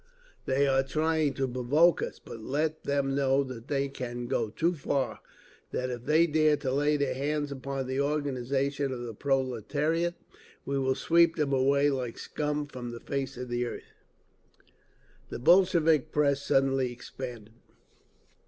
They are trying to provoke us. But let them know that they can go too far—that if they dare to lay their hands upon the organisations of the proletariat we will sweep them away like scum from the face of the earth!" The Bolshevik press suddenly expanded.